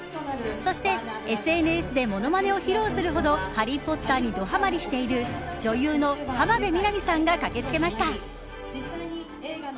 そして、ＳＮＳで物まねを披露するほどハリー・ポッターにどはまりしている女優の浜辺美波さんが駆け付けました。